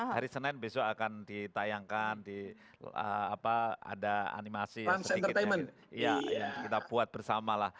hari senin besok akan ditayangkan ada animasi sedikit yang kita buat bersama lah